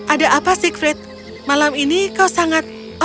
ada apa siegfried malam ini kau sangat